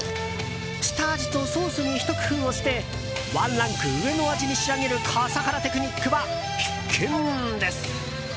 下味とソースにひと工夫をしてワンランク上の味に仕上げる笠原テクニックは必見です。